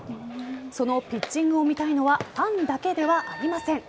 そのピッチングを見たいのはファンだけではありません。